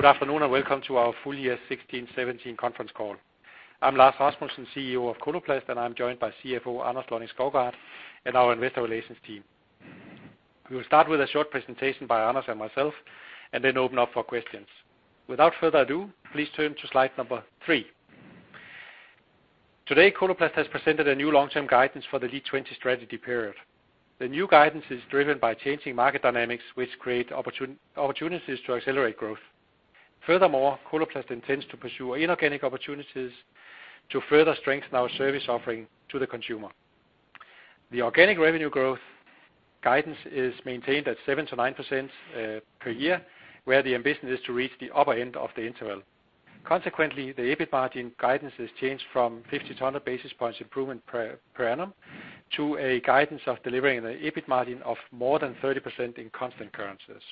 Good afternoon, welcome to our full year 16/17 conference call. I'm Lars Rasmussen, CEO of Coloplast, and I'm joined by CFO Anders Lonning-Skovgaard, and our investor relations team. We will start with a short presentation by Anders and myself, and then open up for questions. Without further ado, please turn to slide three. Today, Coloplast has presented a new long-term guidance for the LEAD20 strategy period. The new guidance is driven by changing market dynamics, which create opportunities to accelerate growth. Furthermore, Coloplast intends to pursue inorganic opportunities to further strengthen our service offering to the consumer. The organic revenue growth guidance is maintained at 7%-9% per year, where the ambition is to reach the upper end of the interval. Consequently, the EBIT margin guidance is changed from 50 to 100 basis points improvement per annum, to a guidance of delivering the EBIT margin of more than 30% in constant currencies.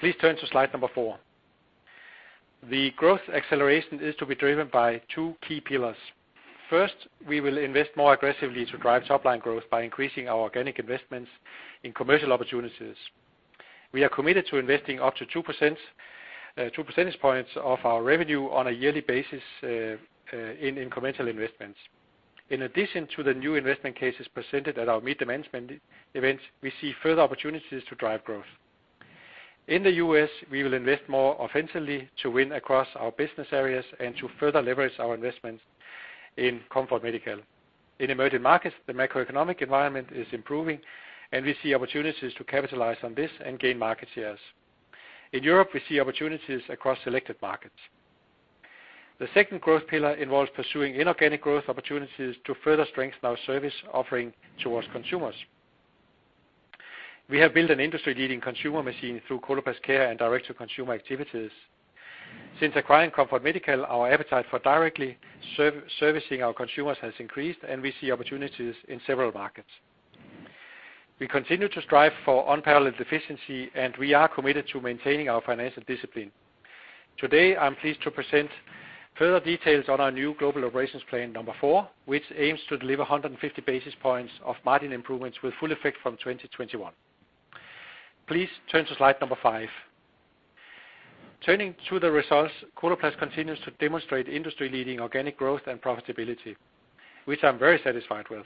Please turn to slide four. The growth acceleration is to be driven by two key pillars. First, we will invest more aggressively to drive top line growth by increasing our organic investments in commercial opportunities. We are committed to investing up to 2%, two percentage points of our revenue on a yearly basis in incremental investments. In addition to the new investment cases presented at our meet the management event, we see further opportunities to drive growth. In the U.S., we will invest more offensively to win across our business areas and to further leverage our investments in Comfort Medical. In emerging markets, the macroeconomic environment is improving, and we see opportunities to capitalize on this and gain market shares. In Europe, we see opportunities across selected markets. The second growth pillar involves pursuing inorganic growth opportunities to further strengthen our service offering towards consumers. We have built an industry-leading consumer machine through Coloplast Care and direct-to-consumer activities. Since acquiring Comfort Medical, our appetite for servicing our consumers has increased, and we see opportunities in several markets. We continue to strive for unparalleled efficiency, and we are committed to maintaining our financial discipline. Today, I'm pleased to present further details on our new Global Operations Plan four, which aims to deliver 150 basis points of margin improvements with full effect from 2021. Please turn to slide number five. Turning to the results, Coloplast continues to demonstrate industry-leading organic growth and profitability, which I'm very satisfied with.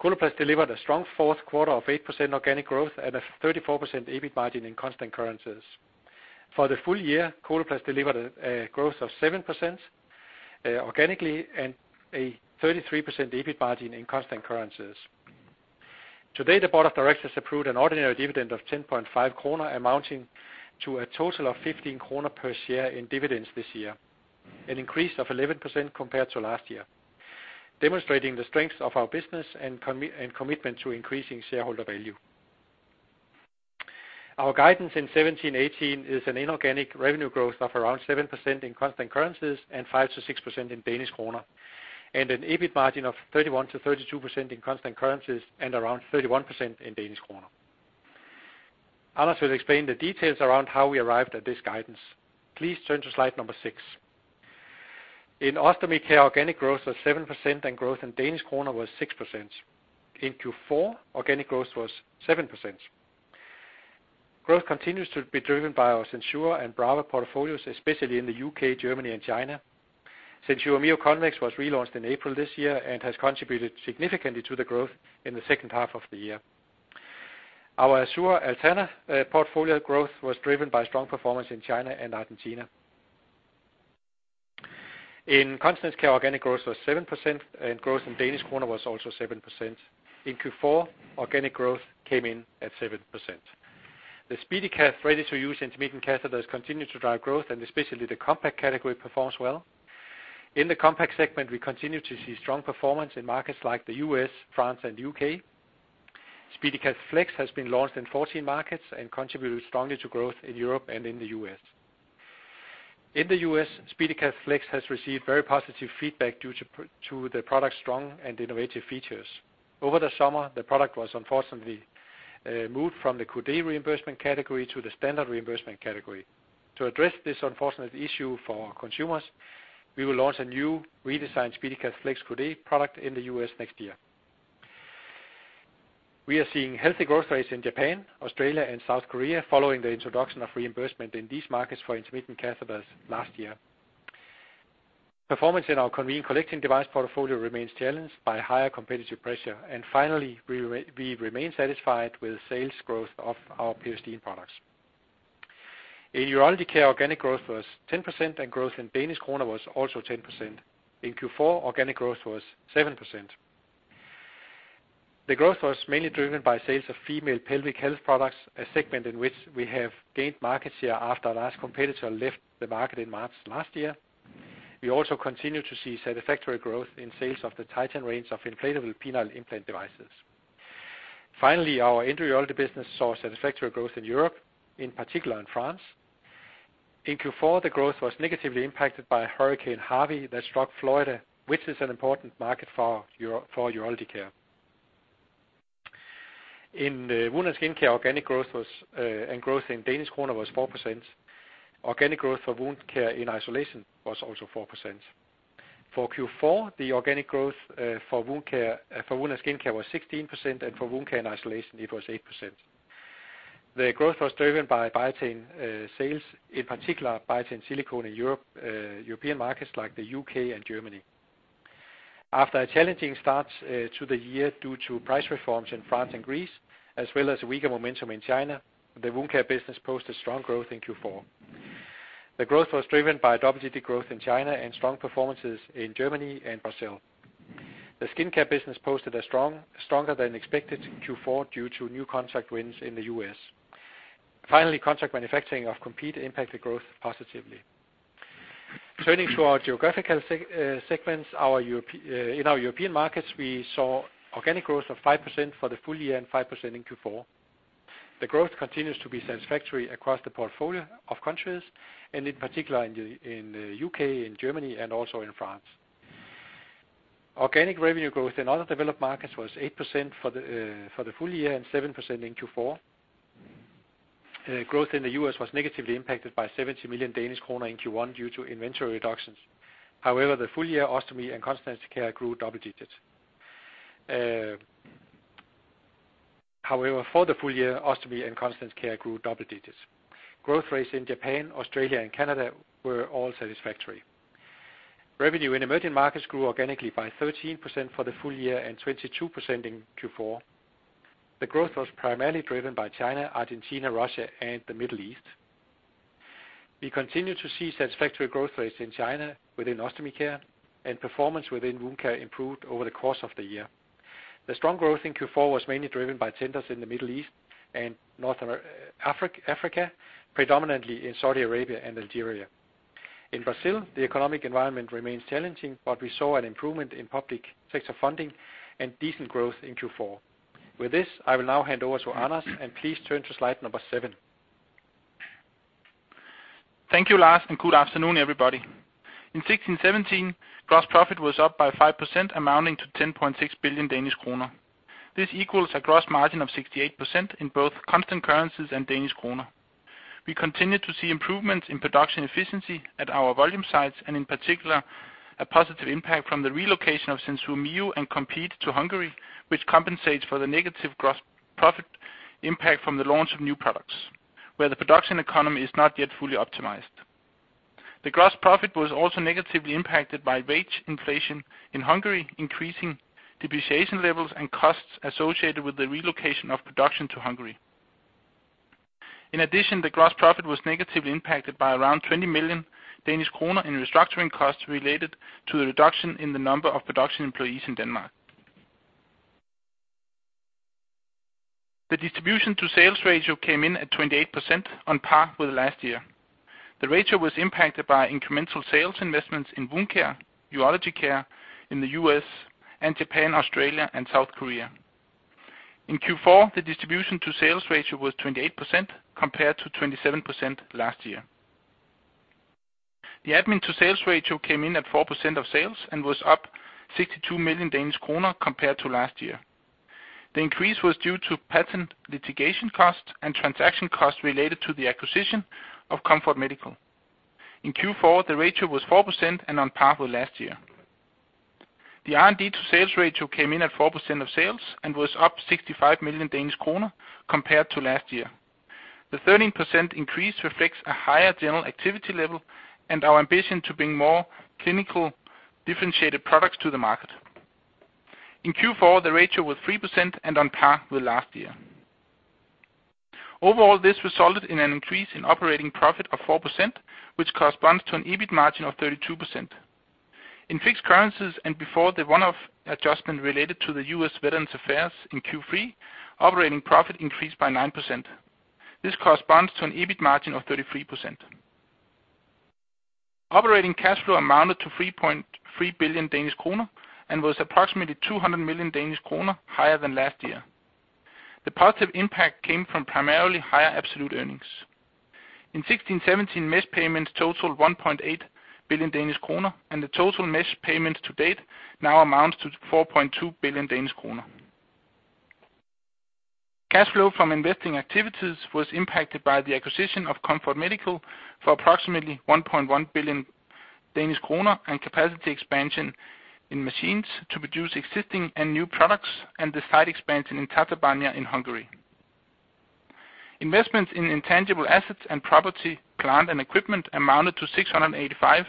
Coloplast delivered a strong fourth quarter of 8% organic growth and a 34% EBIT margin in constant currencies. For the full year, Coloplast delivered a growth of 7% organically, and a 33% EBIT margin in constant currencies. Today, the board of directors approved an ordinary dividend of 10.5 kroner, amounting to a total of 15 kroner per share in dividends this year, an increase of 11% compared to last year, demonstrating the strength of our business and commitment to increasing shareholder value. Our guidance in 2017-2018 is an inorganic revenue growth of around 7% in constant currencies and 5%-6% in Danish kroner, and an EBIT margin of 31%-32% in constant currencies and around 31% in Danish kroner. Anders will explain the details around how we arrived at this guidance. Please turn to slide number six. In Ostomy Care, organic growth was 7%, and growth in Danish kroner was 6%. In Q4, organic growth was 7%. Growth continues to be driven by our SenSura and Brava portfolios, especially in the UK, Germany, and China. SenSura Mio Convex was relaunched in April this year and has contributed significantly to the growth in the second half of the year. Our Assura Alterna portfolio growth was driven by strong performance in China and Argentina. In Continence Care, organic growth was 7%, and growth in Danish kroner was also 7%. In Q4, organic growth came in at 7%. The SpeediCath ready-to-use intermittent catheters continue to drive growth, and especially the compact category performs well. In the compact segment, we continue to see strong performance in markets like the US, France, and UK. SpeediCath Flex has been launched in 14 markets and contributed strongly to growth in Europe and in the US. In the US, SpeediCath Flex has received very positive feedback due to the product's strong and innovative features. Over the summer, the product was unfortunately moved from the code reimbursement category to the standard reimbursement category. To address this unfortunate issue for our consumers, we will launch a new redesigned SpeediCath Flex code product in the US next year. We are seeing healthy growth rates in Japan, Australia, and South Korea following the introduction of reimbursement in these markets for intermittent catheters last year. Performance in our Convatec collecting device portfolio remains challenged by higher competitive pressure. Finally, we remain satisfied with sales growth of our PST products. In Urology Care, organic growth was 10%, and growth in Danish kroner was also 10%. In Q4, organic growth was 7%. The growth was mainly driven by sales of female pelvic health products, a segment in which we have gained market share after our last competitor left the market in March last year. We also continue to see satisfactory growth in sales of the Titan range of inflatable penile implant devices. Finally, our end urology business saw satisfactory growth in Europe, in particular in France. In Q4, the growth was negatively impacted by Hurricane Harvey that struck Florida, which is an important market for Urology Care. In Wound & Skin Care, organic growth was and growth in DKK was 4%. Organic growth for wound care in isolation was also 4%. For Q4, the organic growth for wound care, for Wound & Skin Care was 16%, and for wound care and isolation, it was 8%. The growth was driven by Biatain sales, in particular, Biatain Silicone in Europe, European markets like the U.K. and Germany. After a challenging start to the year due to price reforms in France and Greece, as well as weaker momentum in China, the wound care business posted strong growth in Q4. The growth was driven by double-digit growth in China and strong performances in Germany and Brazil. The Skin Care business posted a strong, stronger than expected Q4 due to new contract wins in the U.S. Contract manufacturing of Compeed impacted growth positively. Turning to our geographical segments, in our European markets, we saw organic growth of 5% for the full year and 5% in Q4. The growth continues to be satisfactory across the portfolio of countries, and in particular, in the U.K., and Germany, and also in France. Organic revenue growth in other developed markets was 8% for the full year and 7% in Q4. Growth in the U.S. was negatively impacted by 70 million Danish kroner in Q1 due to inventory reductions. The full year Ostomy Care and Continence Care grew double digits. For the full year, Ostomy Care and Continence Care grew double digits. Growth rates in Japan, Australia, and Canada were all satisfactory. Revenue in emerging markets grew organically by 13% for the full year and 22% in Q4. The growth was primarily driven by China, Argentina, Russia, and the Middle East. We continue to see satisfactory growth rates in China within Ostomy Care, and performance within Wound & Skin Care improved over the course of the year. The strong growth in Q4 was mainly driven by tenders in the Middle East and North Africa, predominantly in Saudi Arabia and Algeria. In Brazil, the economic environment remains challenging, but we saw an improvement in public sector funding and decent growth in Q4. With this, I will now hand over to Anders, and please turn to slide number seven. Thank you, Lars. Good afternoon, everybody. In 2016-2017, gross profit was up by 5%, amounting to 10.6 billion Danish kroner. This equals a gross margin of 68% in both constant currencies and Danish kroner. We continue to see improvements in production efficiency at our volume sites, and in particular, a positive impact from the relocation of SenSura Mio and Compeed to Hungary, which compensates for the negative gross profit impact from the launch of new products, where the production economy is not yet fully optimized. The gross profit was also negatively impacted by wage inflation in Hungary, increasing depreciation levels and costs associated with the relocation of production to Hungary. In addition, the gross profit was negatively impacted by around 20 million Danish kroner in restructuring costs related to the reduction in the number of production employees in Denmark. The distribution to sales ratio came in at 28%, on par with last year. The ratio was impacted by incremental sales investments in wound care, Urology Care in the U.S. and Japan, Australia, and South Korea. In Q4, the distribution to sales ratio was 28%, compared to 27% last year. The admin to sales ratio came in at 4% of sales and was up 62 million Danish kroner compared to last year. The increase was due to patent litigation costs and transaction costs related to the acquisition of Comfort Medical. In Q4, the ratio was 4% and on par with last year. The R&D to sales ratio came in at 4% of sales and was up 65 million Danish kroner compared to last year. The 13% increase reflects a higher general activity level and our ambition to bring more clinical differentiated products to the market. In Q4, the ratio was 3% and on par with last year. Overall, this resulted in an increase in operating profit of 4%, which corresponds to an EBIT margin of 32%. In fixed currencies and before the one-off adjustment related to the U.S. Veterans Affairs in Q3, operating profit increased by 9%. This corresponds to an EBIT margin of 33%. Operating cash flow amounted to 3.3 billion Danish kroner and was approximately 200 million Danish kroner higher than last year. The positive impact came from primarily higher absolute earnings. In 2016-2017, mesh payments totaled 1.8 billion Danish kroner, and the total mesh payments to date now amounts to 4.2 billion Danish kroner. Cash flow from investing activities was impacted by the acquisition of Comfort Medical for approximately 1.1 billion Danish kroner and capacity expansion in machines to produce existing and new products, and the site expansion in Tatabánya in Hungary. Investments in intangible assets and property, plant, and equipment amounted to 685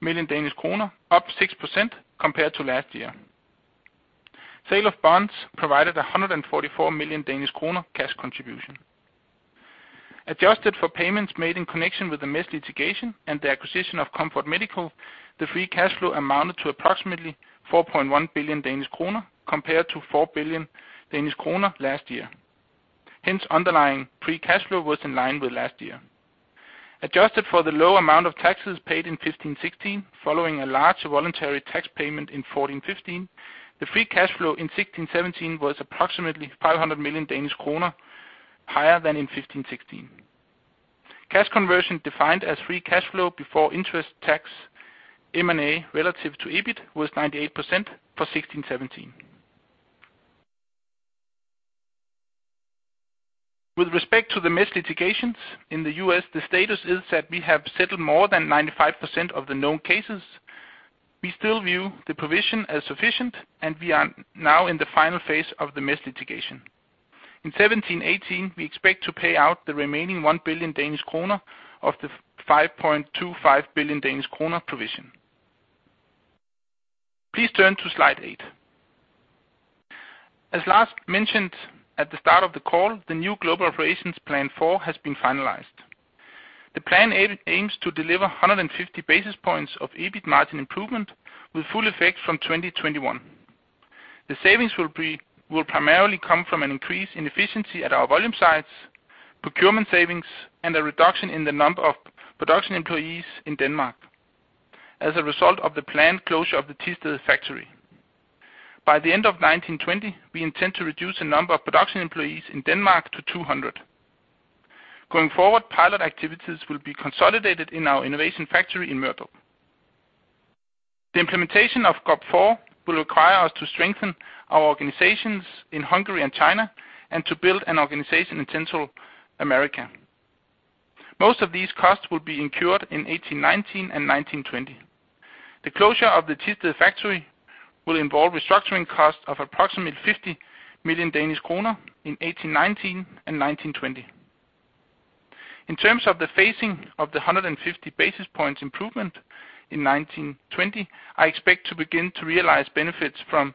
million Danish kroner, up 6% compared to last year. Sale of bonds provided a 144 million Danish kroner cash contribution. Adjusted for payments made in connection with the mesh litigation and the acquisition of Comfort Medical, the free cash flow amounted to approximately 4.1 billion Danish kroner, compared to 4 billion Danish kroner last year. Underlying free cash flow was in line with last year. Adjusted for the low amount of taxes paid in 2015-2016, following a large voluntary tax payment in 2014-2015, the free cash flow in 2016-2017 was approximately 500 million Danish kroner higher than in 2015-2016. Cash conversion, defined as free cash flow before interest tax, M&A, relative to EBIT, was 98% for 2016-2017. With respect to the mesh litigations in the U.S., the status is that we have settled more than 95% of the known cases. We still view the provision as sufficient, and we are now in the final phase of the mesh litigation. In 2017-2018, we expect to pay out the remaining 1 billion Danish kroner of the 5.25 billion Danish kroner provision. Please turn to slide 8. As Lars mentioned at the start of the call, the new Global Operations Plan four has been finalized. The plan aims to deliver 150 basis points of EBIT margin improvement, with full effect from 2021. The savings will primarily come from an increase in efficiency at our volume sites, procurement savings, and a reduction in the number of production employees in Denmark as a result of the planned closure of the Thisted factory. By the end of 1920, we intend to reduce the number of production employees in Denmark to 200. Going forward, pilot activities will be consolidated in our innovation factory in Mørdrup. The implementation of Global Operations Plan four will require us to strengthen our organizations in Hungary and China, and to build an organization in Central America. Most of these costs will be incurred in 1819 and 1920. The closure of the Thisted factory will involve restructuring costs of approximately 50 million Danish kroner in 2018-2019 and 2019-2020. In terms of the phasing of the 150 basis points improvement in 2019-2020, I expect to begin to realize benefits from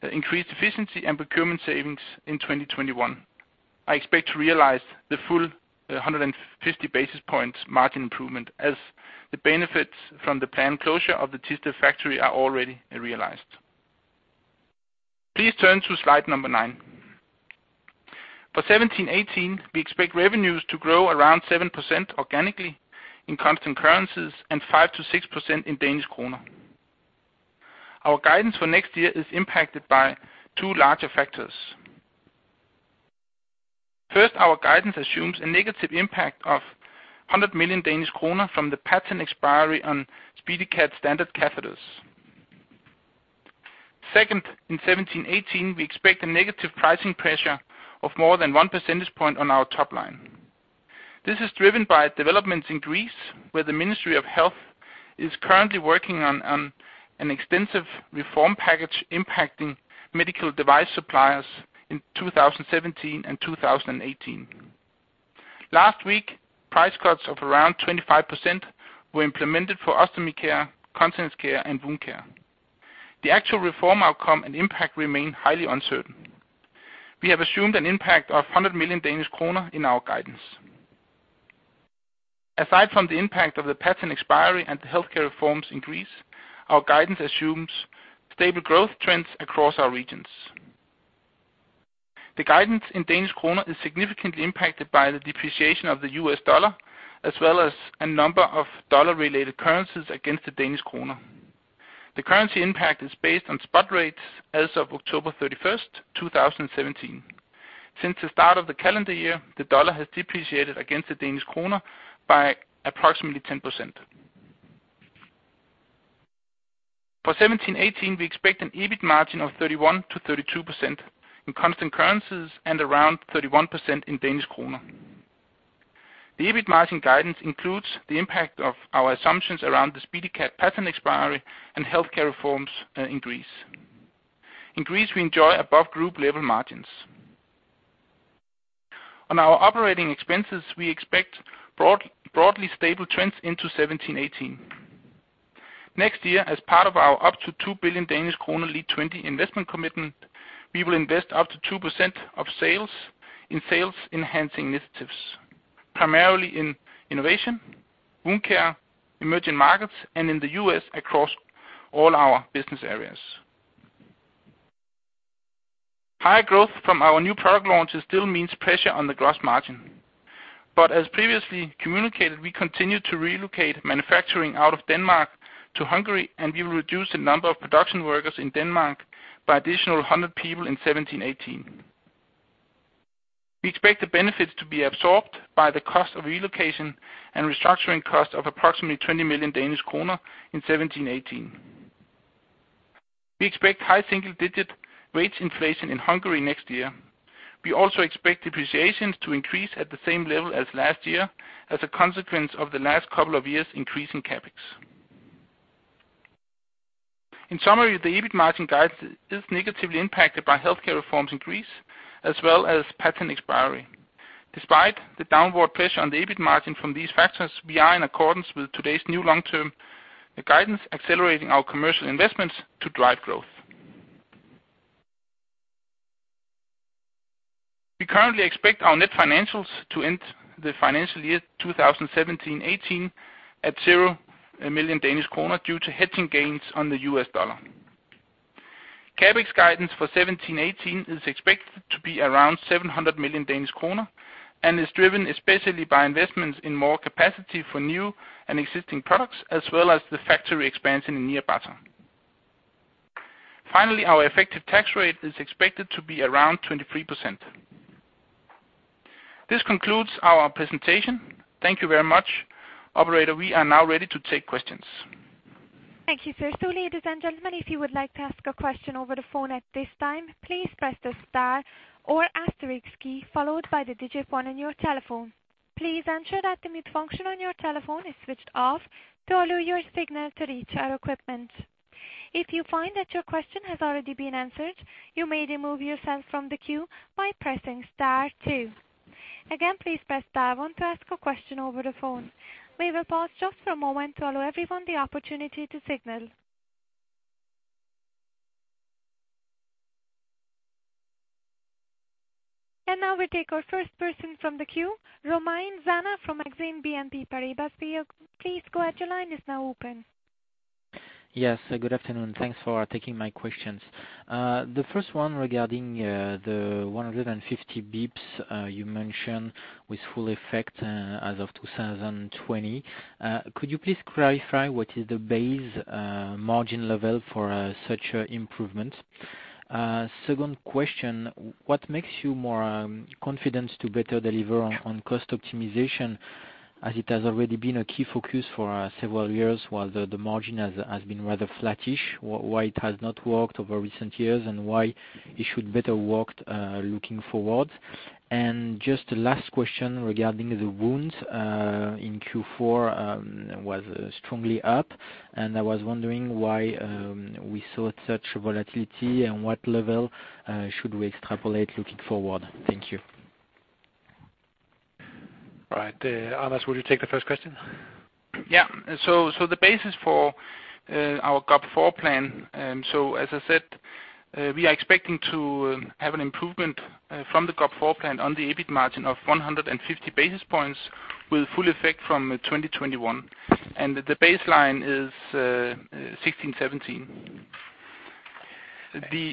the increased efficiency and procurement savings in 2021. I expect to realize the full 150 basis points margin improvement, as the benefits from the planned closure of the Thisted factory are already realized. Please turn to slide number nine. For 2017-2018, we expect revenues to grow around 7% organically in constant currencies and 5%-6% in Danish kroner. Our guidance for next year is impacted by two larger factors. First, our guidance assumes a negative impact of 100 million Danish kroner from the patent expiry on SpeediCath standard catheters. In 2017, 2018, we expect a negative pricing pressure of more than one percentage point on our top line. This is driven by developments in Greece, where the Ministry of Health is currently working on an extensive reform package impacting medical device suppliers in 2017 and 2018. Last week, price cuts of around 25% were implemented for Ostomy Care, Continence Care, and Wound Care. The actual reform outcome and impact remain highly uncertain. We have assumed an impact of 100 million Danish kroner in our guidance. Aside from the impact of the patent expiry and the healthcare reforms in Greece, our guidance assumes stable growth trends across our regions. The guidance in Danish kroner is significantly impacted by the depreciation of the U.S. dollar, as well as a number of dollar-related currencies against the Danish kroner. The currency impact is based on spot rates as of October 31st, 2017. Since the start of the calendar year, the dollar has depreciated against the Danish kroner by approximately 10%. For 2017-2018, we expect an EBIT margin of 31%-32% in constant currencies and around 31% in Danish kroner. The EBIT margin guidance includes the impact of our assumptions around the SpeediCath patent expiry and healthcare reforms in Greece. In Greece, we enjoy above group level margins. On our operating expenses, we expect broadly stable trends into 2017-2018. Next year, as part of our up to 2 billion Danish kroner LEAD20 investment commitment, we will invest up to 2% of sales in sales-enhancing initiatives, primarily in innovation, wound care, emerging markets, and in the U.S. across all our business areas. High growth from our new product launches still means pressure on the gross margin. As previously communicated, we continue to relocate manufacturing out of Denmark to Hungary, and we will reduce the number of production workers in Denmark by additional 100 people in 2017-2018. We expect the benefits to be absorbed by the cost of relocation and restructuring costs of approximately 20 million Danish kroner in 2017-2018. We expect high single-digit wage inflation in Hungary next year. We also expect depreciations to increase at the same level as last year, as a consequence of the last couple of years' increasing CapEx. In summary, the EBIT margin guidance is negatively impacted by healthcare reforms in Greece, as well as patent expiry. Despite the downward pressure on the EBIT margin from these factors, we are in accordance with today's new long-term guidance, accelerating our commercial investments to drive growth. We currently expect our net financials to end the financial year 2017/18 at 0 million Danish kroner due to hedging gains on the US dollar. CapEx guidance for 2017/18 is expected to be around 700 million Danish kroner and is driven especially by investments in more capacity for new and existing products, as well as the factory expansion in Nyírbátor. Finally, our effective tax rate is expected to be around 23%. This concludes our presentation. Thank you very much. Operator, we are now ready to take questions. Thank you, sir. Ladies and gentlemen, if you would like to ask a question over the phone at this time, please press the star or asterisk key, followed by the digit one on your telephone. Please ensure that the mute function on your telephone is switched off to allow your signal to reach our equipment. If you find that your question has already been answered, you may remove yourself from the queue by pressing star two. Again, please press star 1 to ask a question over the phone. We will pause just for a moment to allow everyone the opportunity to signal. Now we take our first person from the queue, Romain Zana from Exane BNP Paribas. Please go ahead, your line is now open. Yes, good afternoon. Thanks for taking my questions. The first one regarding the 150 bips you mentioned with full effect as of 2020. Could you please clarify what is the base margin level for such an improvement? Second question: what makes you more confident to better deliver on cost optimization, as it has already been a key focus for several years, while the margin has been rather flattish. Why it has not worked over recent years, and why it should better work looking forward? Just a last question regarding the wounds in Q4 was strongly up, and I was wondering why we saw such volatility and what level should we extrapolate looking forward? Thank you. All right, Anders, would you take the first question? Yeah. The basis for our Core four plan, as I said, we are expecting to have an improvement from the Core four plan on the EBIT margin of 150 basis points, with full effect from 2021, and the baseline is 2016, 2017.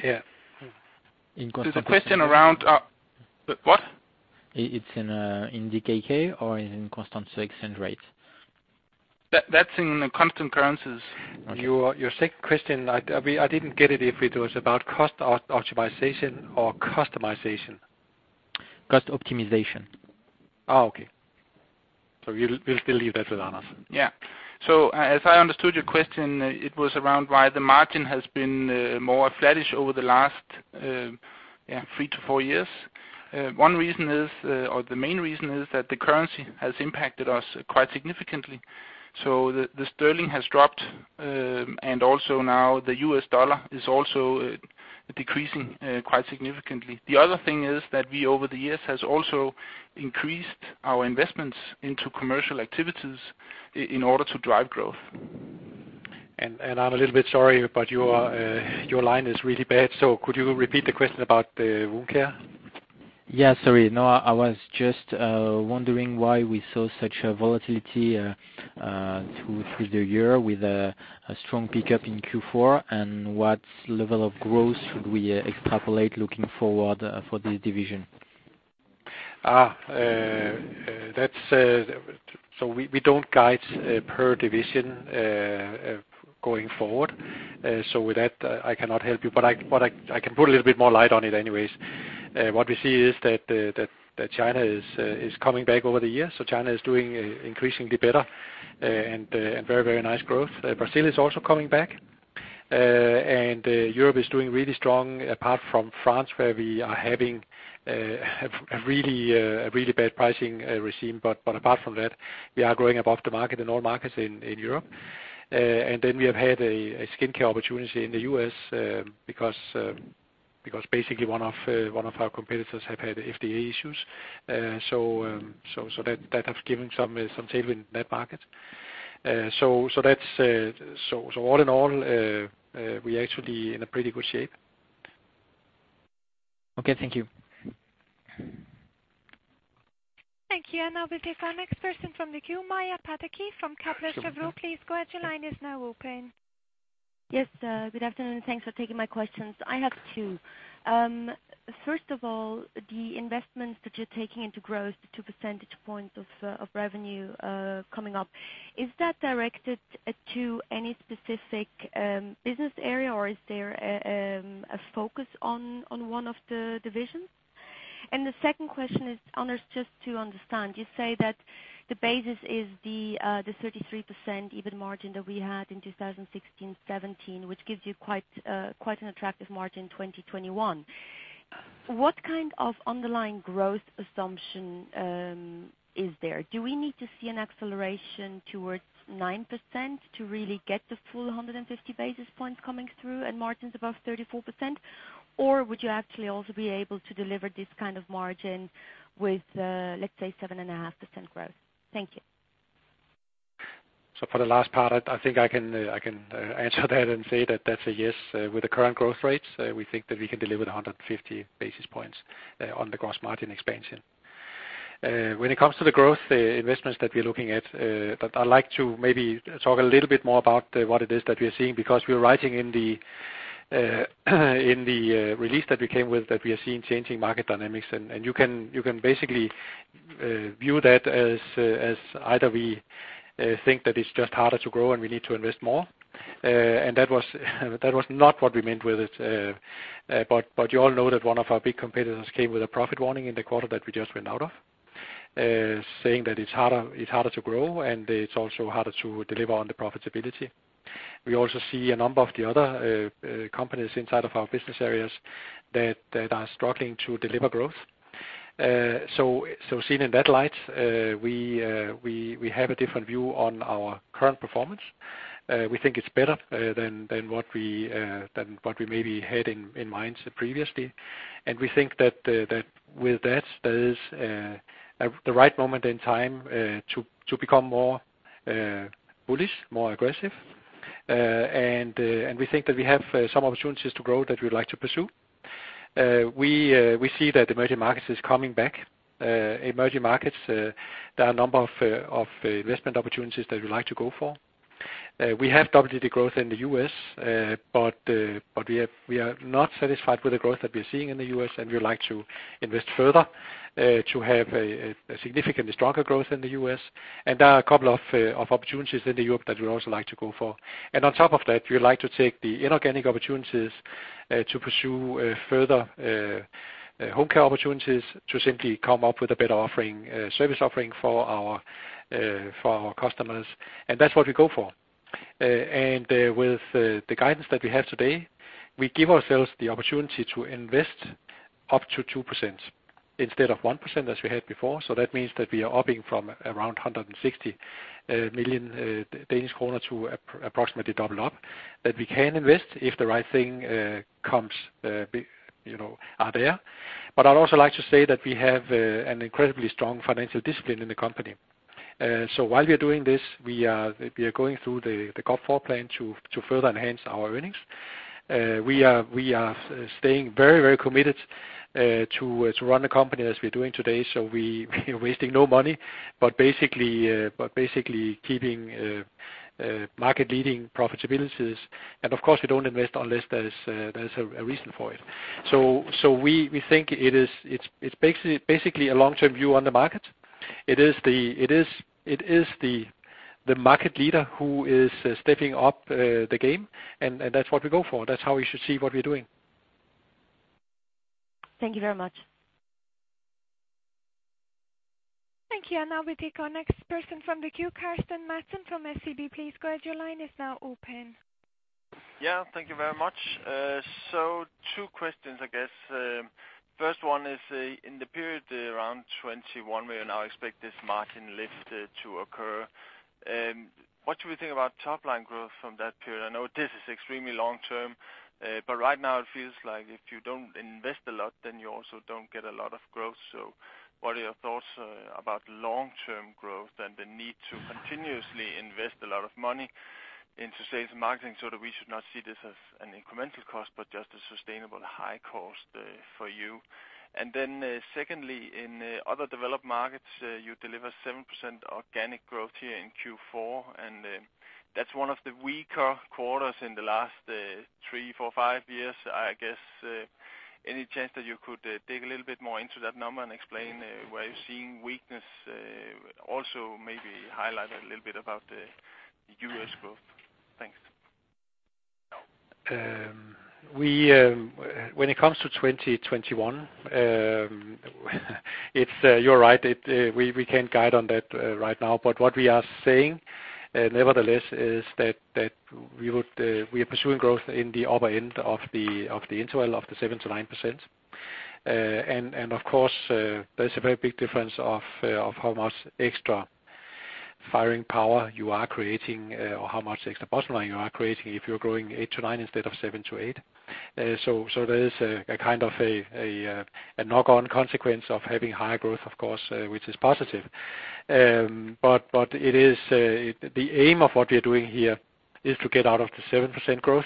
Yeah. There's a question around... What? It's in DKK or in constant exchange rates? That's in constant currencies. Okay. Your second question, I didn't get it, if it was about cost optimization or customization? Cost optimization. Oh, okay. we'll still leave that with Anders. As I understood your question, it was around why the margin has been more flattish over the last, yeah, three to four years. One reason is, or the main reason is that the currency has impacted us quite significantly. The sterling has dropped, and also now the US dollar is also decreasing quite significantly. The other thing is that we, over the years, has also increased our investments into commercial activities in order to drive growth. I'm a little bit sorry, but your line is really bad, so could you repeat the question about the Wound Care? Yeah, sorry. No, I was just wondering why we saw such a volatility through the year with a strong pickup in Q4, and what level of growth should we extrapolate looking forward for this division? We don't guide per division going forward. With that, I cannot help you, but I can put a little bit more light on it anyways. What we see is that China is coming back over the years. China is doing increasingly better and very nice growth. Brazil is also coming back and Europe is doing really strong, apart from France, where we are having a really bad pricing regime. Apart from that, we are growing above the market in all markets in Europe. We have had a skincare opportunity in the U.S. because basically one of our competitors have had FDA issues. That has given some tailwind in that market. That's, so all in all, we're actually in a pretty good shape. Okay. Thank you. Thank you. Now we'll take our next person from the queue, Maja Pataki from Kepler Cheuvreux. Please go ahead, your line is now open. Yes, good afternoon. Thanks for taking my questions. I have two. First of all, the investments that you're taking into growth, the two percentage points of revenue coming up, is that directed to any specific business area, or is there a focus on one of the divisions? The second question is, Anders, just to understand, you say that the basis is the 33% EBIT margin that we had in 2016, 2017, which gives you quite quite an attractive margin in 2021. What kind of underlying growth assumption is there? Do we need to see an acceleration towards 9% to really get the full 150 basis points coming through and margins above 34%? Would you actually also be able to deliver this kind of margin with, let's say, 7.5% growth? Thank you. For the last part, I think I can answer that and say that that's a yes. With the current growth rates, we think that we can deliver the 150 basis points on the gross margin expansion. When it comes to the growth investments that we're looking at, I'd like to maybe talk a little bit more about what it is that we are seeing, because we are writing in the release that we came with, that we are seeing changing market dynamics. You can basically view that as as either we think that it's just harder to grow and we need to invest more. That was not what we meant with it, but you all know that one of our big competitors came with a profit warning in the quarter that we just went out of. Saying that it's harder to grow, and it's also harder to deliver on the profitability. We also see a number of the other companies inside of our business areas that are struggling to deliver growth. Seen in that light, we have a different view on our current performance. We think it's better than what we maybe had in mind previously. We think that with that, there is the right moment in time to become more bullish, more aggressive. We think that we have some opportunities to grow that we'd like to pursue. We see that emerging markets is coming back. Emerging markets, there are a number of investment opportunities that we like to go for. We have doubled the growth in the U.S., but we are not satisfied with the growth that we're seeing in the U.S., and we'd like to invest further, to have a significantly stronger growth in the U.S. There are a couple of opportunities in Europe that we'd also like to go for. On top of that, we'd like to take the inorganic opportunities to pursue further home care opportunities, to simply come up with a better offering, service offering for our customers, and that's what we go for. With the guidance that we have today, we give ourselves the opportunity to invest up to 2% instead of 1%, as we had before. That means that we are upping from around 160 million Danish kroner to approximately double up, that we can invest if the right thing comes, we, you know, are there. I'd also like to say that we have an incredibly strong financial discipline in the company. While we are doing this, we are going through the Core four plan to further enhance our earnings. We are staying very committed to run the company as we're doing today. We are wasting no money, but basically keeping market-leading profitabilities. Of course, we don't invest unless there is a reason for it. We think it is basically a long-term view on the market. It is the market leader who is stepping up the game, and that's what we go for. That's how we should see what we're doing. Thank you very much. Thank you, and now we take our next person from the queue, Carsten Madsen from SEB. Please go ahead, your line is now open. Yeah, thank you very much. Two questions, I guess. First one is, in the period around 2021, where now expect this margin lift to occur, what should we think about top-line growth from that period? I know this is extremely long-term, right now it feels like if you don't invest a lot, then you also don't get a lot of growth. What are your thoughts about long-term growth and the need to continuously invest a lot of money into sales and marketing, we should not see this as an incremental cost, just a sustainable high cost for you? Secondly, in other developed markets, you deliver 7% organic growth here in Q4, that's one of the weaker quarters in the last three, four, five years. I guess, any chance that you could dig a little bit more into that number and explain where you're seeing weakness? Maybe highlight a little bit about the U.S. growth. Thanks. We, when it comes to 2021, you're right. We can't guide on that right now. What we are saying, nevertheless, is that we would, we are pursuing growth in the upper end of the interval of the 7%-9%. Of course, there's a very big difference of how much extra firing power you are creating, or how much extra bottom line you are creating if you're growing 8%-9% instead of 7%-8%. There is a kind of a knock-on consequence of having higher growth, of course, which is positive. It is the aim of what we are doing here is to get out of the 7% growth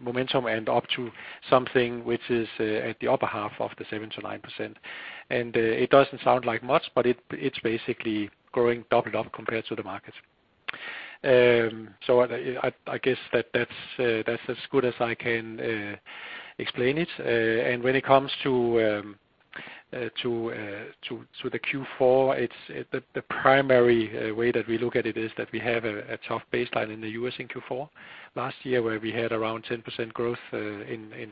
momentum, and up to something which is at the upper half of the 7%-9%. It doesn't sound like much, but it's basically growing doubled up compared to the market. I guess that that's as good as I can explain it. When it comes to Q4, the primary way that we look at it is that we have a tough baseline in the US in Q4. Last year, where we had around 10% growth in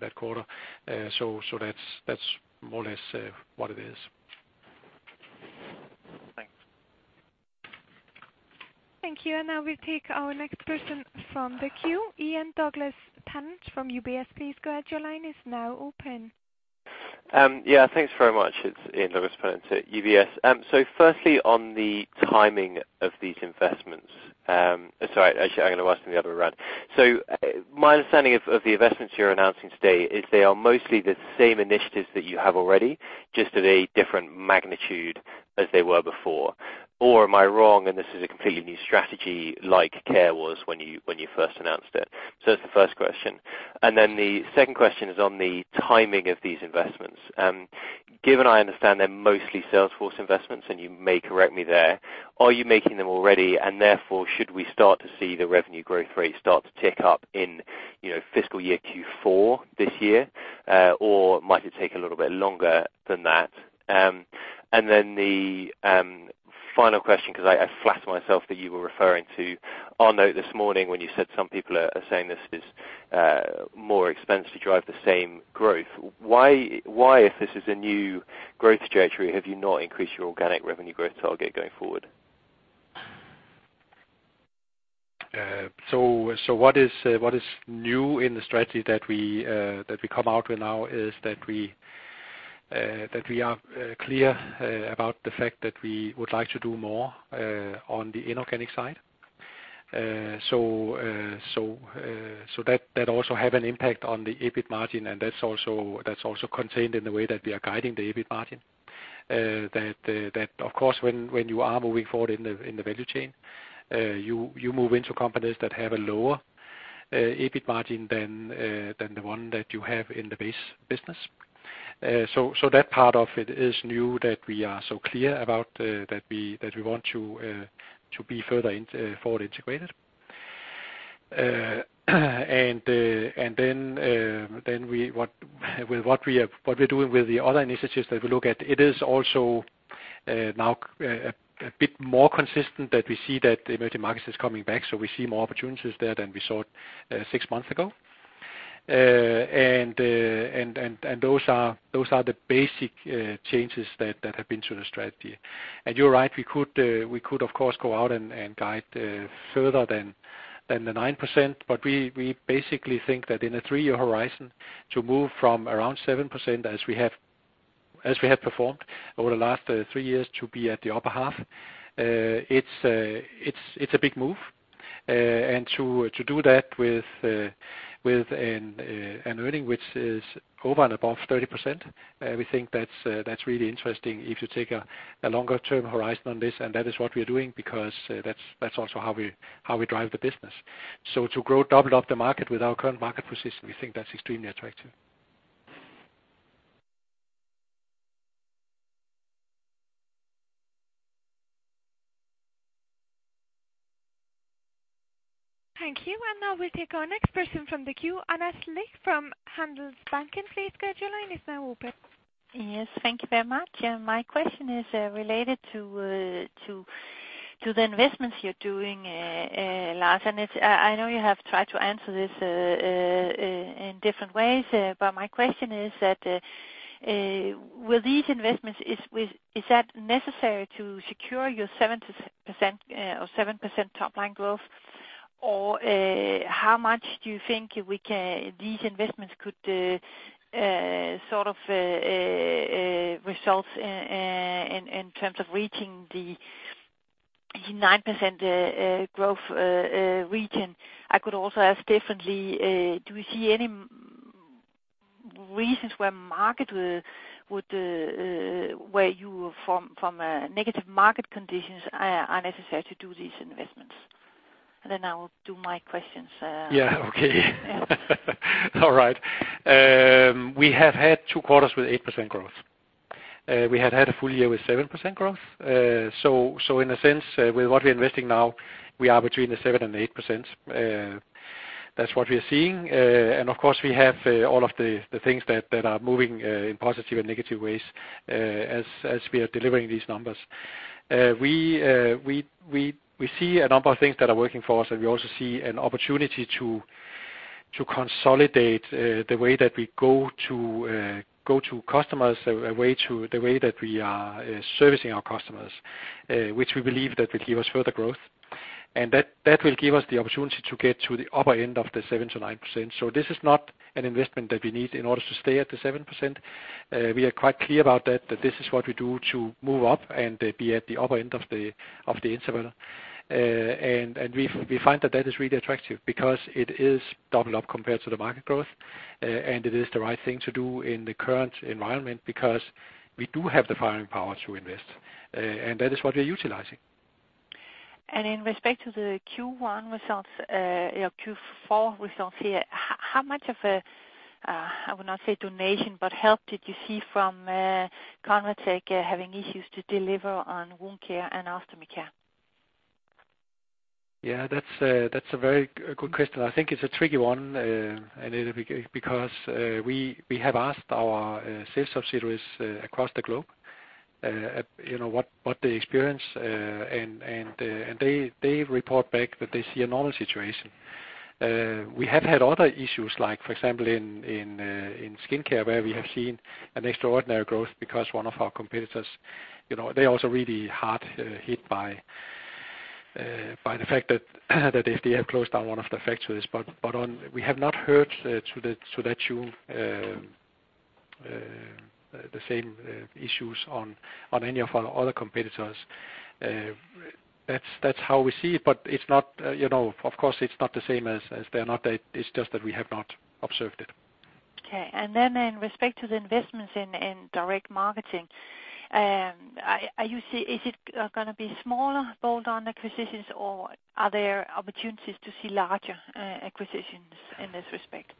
that quarter. That's more or less what it is. Thanks. Thank you. Now we take our next person from the queue. Ian Douglas-Pennant from UBS, please go ahead, your line is now open. Yeah, thanks very much. It's Ian Douglas-Pennant at UBS. My understanding of the investments you're announcing today is they are mostly the same initiatives that you have already, just at a different magnitude as they were before. Or am I wrong, and this is a completely new strategy, like Coloplast Care was when you, when you first announced it? That's the first question. The second question is on the timing of these investments. Given I understand they're mostly salesforce investments, and you may correct me there, are you making them already? Therefore, should we start to see the revenue growth rate start to tick up in, you know, fiscal year Q4 this year, or might it take a little bit longer than that? The final question, because I flatter myself that you were referring to our note this morning when you said some people are saying this is more expense to drive the same growth? Why, if this is a new growth trajectory, have you not increased your organic revenue growth target going forward? What is new in the strategy that we come out with now is that we are clear about the fact that we would like to do more on the inorganic side. That also have an impact on the EBIT margin, and that's also contained in the way that we are guiding the EBIT margin. That, of course, when you are moving forward in the value chain, you move into companies that have a lower EBIT margin than the one that you have in the base business. That part of it is new, that we are so clear about that we want to be further forward integrated. Then what we are, what we're doing with the other initiatives that we look at, it is also now a bit more consistent that we see that the emerging markets is coming back, so we see more opportunities there than we saw six months ago. Those are the basic changes that have been to the strategy. You're right, we could, of course, go out and guide further than the 9%, but we basically think that in a three-year horizon, to move from around 7%, as we have performed over the last three years, to be at the upper half, it's a big move. To do that with an earning which is over and above 30%, we think that's really interesting if you take a longer term horizon on this, and that is what we are doing because that's also how we drive the business. To grow, double up the market with our current market position, we think that's extremely attractive. Thank you. Now we'll take our next person from the queue, Anette Falberg from Handelsbanken. Please go ahead, your line is now open. Yes, thank you very much. My question is related to the investments you're doing, Lars, and it's... I know you have tried to answer this in different ways, but my question is that, with these investments, is that necessary to secure your seven percent, or 7% top line growth? How much do you think these investments could, sort of, result in terms of reaching the 9% growth region? I could also ask differently, do you see any reasons where market would, where you from a negative market conditions, are necessary to do these investments? I will do my questions. Yeah, okay. Yeah. All right. We have had two quarters with 8% growth. We have had a full year with 7% growth. In a sense, with what we're investing now, we are between the 7% and 8%. That's what we are seeing. Of course, we have all of the things that are moving in positive and negative ways as we are delivering these numbers. We see a number of things that are working for us, and we also see an opportunity to consolidate the way that we go to customers, the way that we are servicing our customers, which we believe that will give us further growth. That will give us the opportunity to get to the upper end of the 7%-9%. This is not an investment that we need in order to stay at the 7%. We are quite clear about that this is what we do to move up and be at the upper end of the interval. And we find that that is really attractive because it is double up compared to the market growth, and it is the right thing to do in the current environment because we do have the firing power to invest, and that is what we are utilizing. In respect to the Q1 results, or Q4 results here, how much of a, I would not say donation, but help did you see from, Convatec, having issues to deliver on wound care and ostomy care? That's a very good question. I think it's a tricky one. We have asked our sales subsidiaries across the globe, you know, what they experience, and they report back that they see a normal situation. We have had other issues like, for example, in Skin Care, where we have seen an extraordinary growth because one of our competitors, you know, they are also really hard hit by the fact that the FDA closed down one of the factories. We have not heard, through the tune, the same issues on any of our other competitors. That's how we see it, but it's not, you know, of course, it's not the same. It's just that we have not observed it. Okay. Then in respect to the investments in direct marketing, is it gonna be smaller bolt-on acquisitions, or are there opportunities to see larger acquisitions in this respect?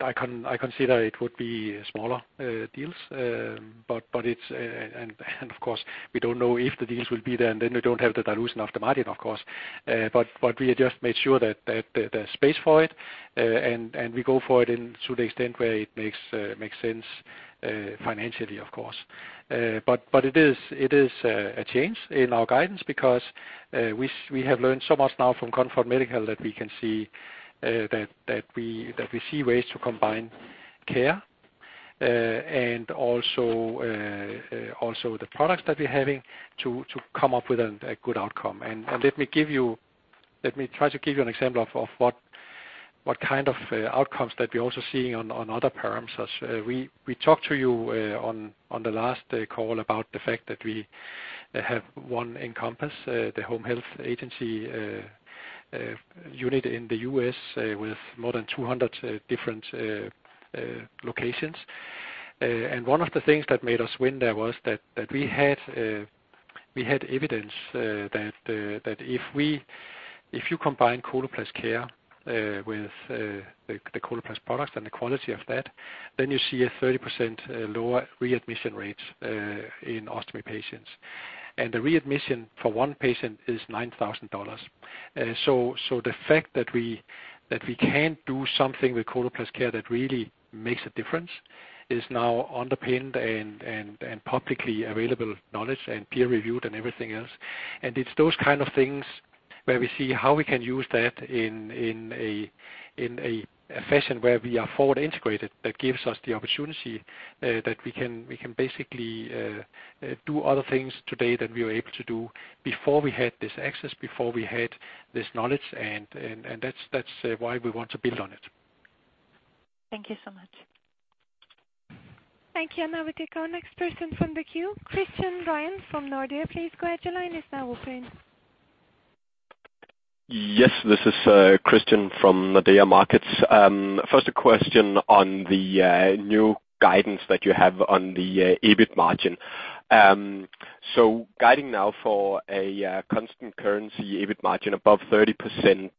I consider it would be smaller deals. But it's. Of course, we don't know if the deals will be there, and then we don't have the dilution of the margin, of course. We just made sure that there's space for it, and we go for it in to the extent where it makes sense financially, of course. It is a change in our guidance because we have learned so much now from Comfort Medical that we can see that we see ways to combine care, and also the products that we're having to come up with a good outcome. Let me try to give you an example of what kind of outcomes that we're also seeing on other parameters. We talked to you on the last call about the fact that we have one Encompass, the home health agency unit in the U.S., with more than 200 different locations. One of the things that made us win there was that we had evidence that if you combine Coloplast Care with the Coloplast products and the quality of that, then you see a 30% lower readmission rates in ostomy patients. The readmission for one patient is $9,000. So the fact that we can do something with Coloplast Care that really makes a difference is now underpinned and publicly available knowledge, and peer reviewed, and everything else. It's those kind of things where we see how we can use that in a fashion where we are forward integrated, that gives us the opportunity that we can basically do other things today than we were able to do before we had this access, before we had this knowledge, and that's why we want to build on it. Thank you so much. Thank you. Now we take our next person from the queue, Christian Ryom from Nordea. Please go ahead, your line is now open. This is Christian from Nordea Markets. First a question on the new guidance that you have on the EBIT margin. Guiding now for a constant currency EBIT margin above 30%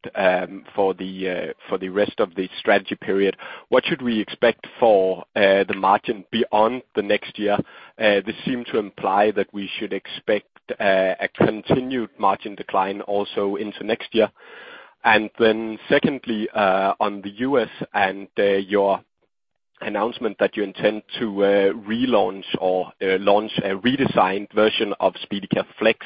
for the rest of the strategy period, what should we expect for the margin beyond the next year? This seemed to imply that we should expect a continued margin decline also into next year. Secondly, on the U.S. and your announcement that you intend to relaunch or launch a redesigned version of SpeediCath Flex,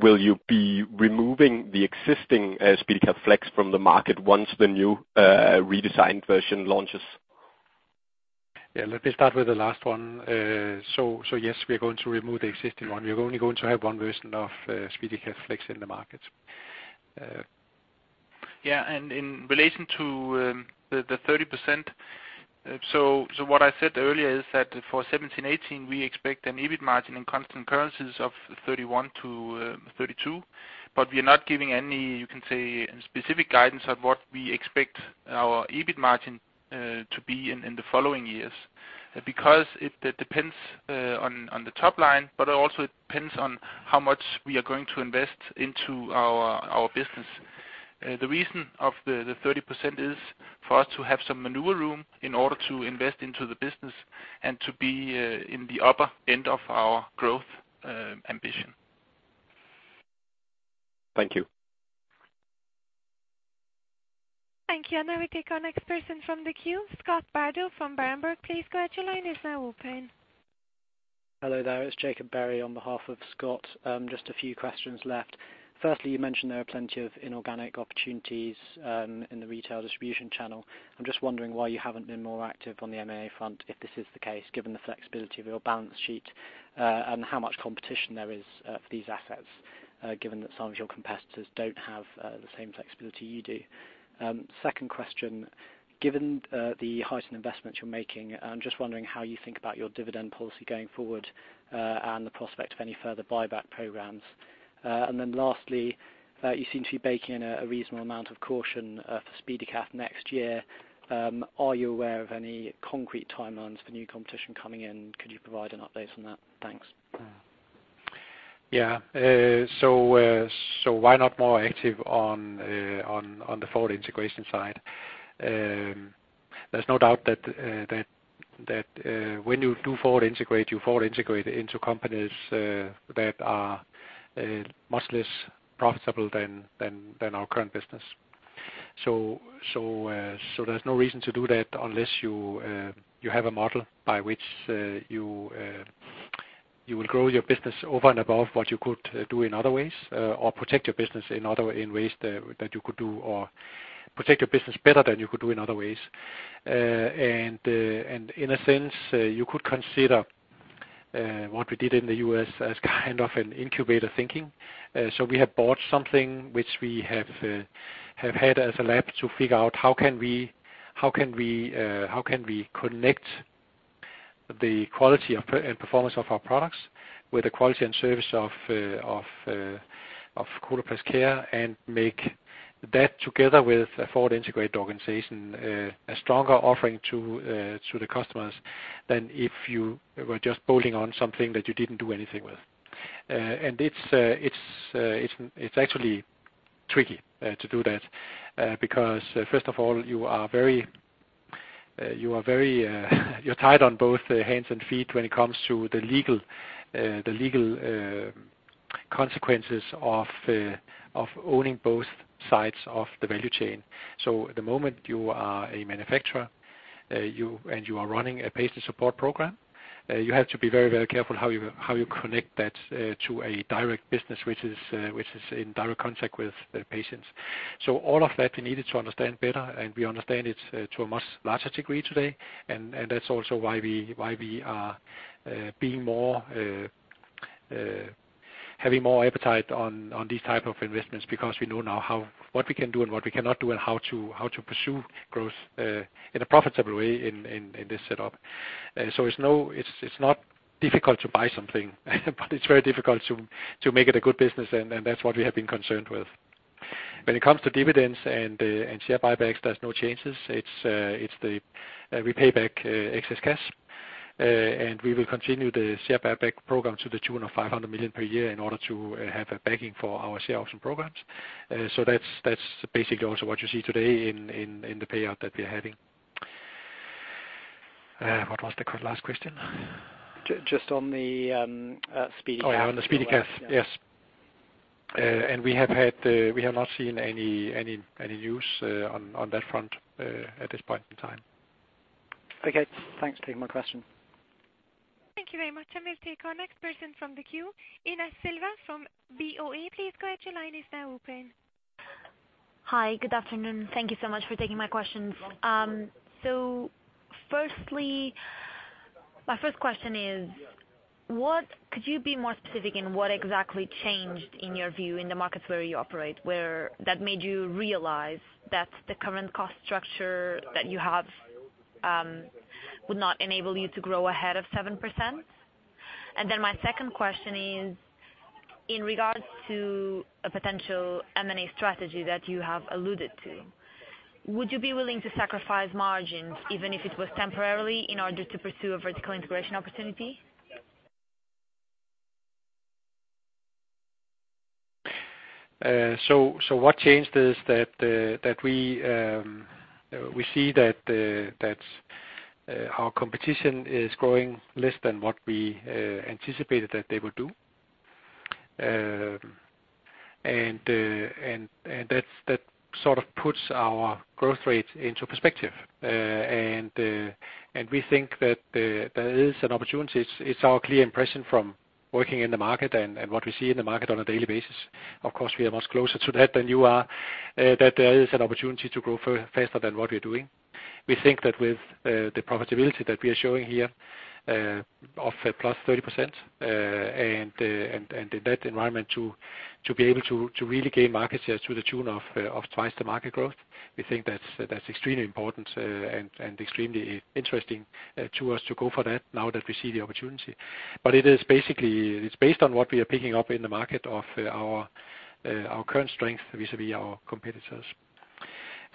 will you be removing the existing SpeediCath Flex from the market once the new redesigned version launches? Yeah, let me start with the last one. Yes, we are going to remove the existing one. We're only going to have one version of SpeediCath Flex in the market. In relation to the 30%, what I said earlier is that for 2017-2018, we expect an EBIT margin in constant currencies of 31%-32%. We are not giving any, you can say, specific guidance on what we expect our EBIT margin to be in the following years. That depends on the top line, but it also depends on how much we are going to invest into our business. The reason of the 30% is for us to have some maneuver room in order to invest into the business and to be in the upper end of our growth ambition. Thank you. Thank you. Now we take our next person from the queue, Scott Bardo from Berenberg. Please go ahead, your line is now open. Hello there, it's Jakob Berry on behalf of Scott. Just a few questions left. Firstly, you mentioned there are plenty of inorganic opportunities in the retail distribution channel. I'm just wondering why you haven't been more active on the M&A front, if this is the case, given the flexibility of your balance sheet, and how much competition there is for these assets, given that some of your competitors don't have the same flexibility you do? Second question, given the heightened investments you're making, I'm just wondering how you think about your dividend policy going forward, and the prospect of any further buyback programs. Lastly, you seem to be baking in a reasonable amount of caution for SpeediCath next year. Are you aware of any concrete timelines for new competition coming in? Could you provide an update on that? Thanks. Yeah. Why not more active on the forward integration side? There's no doubt that when you do forward integrate, you forward integrate into companies that are much less profitable than our current business. There's no reason to do that unless you have a model by which you will grow your business over and above what you could do in other ways, or protect your business in ways that you could do or protect your business better than you could do in other ways. In a sense, you could consider what we did in the U.S. as kind of an incubator thinking. We have bought something which we have had as a lab to figure out how can we connect the quality of performance of our products with the quality and service of Coloplast Care, and make that, together with a forward integrated organization, a stronger offering to the customers than if you were just bolting on something that you didn't do anything with. It's actually tricky to do that because first of all, you are very tied on both the hands and feet when it comes to the legal consequences of owning both sides of the value chain. At the moment, you are a manufacturer, you, and you are running a patient support program, you have to be very, very careful how you connect that to a direct business which is in direct contact with the patients. All of that we needed to understand better, and we understand it to a much larger degree today. That's also why we, why we are being more, having more appetite on these type of investments, because we know now what we can do and what we cannot do, and how to pursue growth in a profitable way in this setup. It's not difficult to buy something, but it's very difficult to make it a good business, and that's what we have been concerned with. When it comes to dividends and share buybacks, there's no changes. We pay back excess cash. We will continue the share buyback program to the tune of 500 million per year in order to have a backing for our share option programs. That's basically also what you see today in the payout that we are having. What was the last question? just on the SpeediCath. Oh, yeah, on the SpeediCath. Yes. We have had, we have not seen any news, on that front, at this point in time. Okay. Thanks for taking my question. Thank you very much. We'll take our next person from the queue. Ina Lissner-Jacobsen from Bank of America Merrill Lynch, please go ahead. Your line is now open. Hi. Good afternoon. Thank you so much for taking my questions. Firstly, my first question is: Could you be more specific in what exactly changed, in your view, in the markets where you operate, where that made you realize that the current cost structure that you have would not enable you to grow ahead of 7%? My second question is, in regards to a potential M&A strategy that you have alluded to, would you be willing to sacrifice margins, even if it was temporarily, in order to pursue a vertical integration opportunity? What changed is that we see that our competition is growing less than what we anticipated that they would do. That sort of puts our growth rate into perspective. We think that there is an opportunity. It's our clear impression from working in the market and what we see in the market on a daily basis. Of course, we are much closer to that than you are, that there is an opportunity to grow faster than what we're doing. We think that with the profitability that we are showing here, of +30%, and in that environment to be able to really gain market share to the tune of 2x the market growth, we think that's extremely important, and extremely interesting to us to go for that now that we see the opportunity. It is basically, it's based on what we are picking up in the market of our current strength vis-à-vis our competitors.